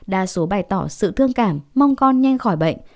đa số bày tỏ sự thương cảm mong con nhanh khỏi bệnh